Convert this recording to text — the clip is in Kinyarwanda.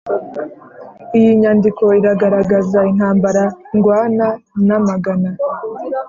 Iyi nyandiko iragaragaza intambara ndwana namagana.